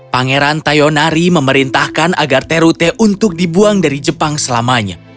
pangeran tayonari memerintahkan agar terute untuk dibuang dari jepang selamanya